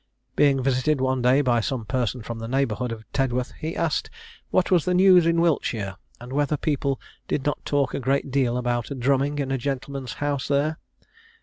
Being visited one day by some person from the neighbourhood of Tedworth, he asked what was the news in Wiltshire, and whether people did not talk a great deal about a drumming in a gentleman's house there?